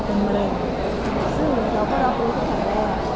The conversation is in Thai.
ก็เมื่อไหร่ซึ่งเดี๋ยวพอเราพบกับแผนแรง